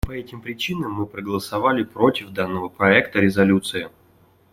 По этим причинам мы проголосовали против данного проекта резолюции.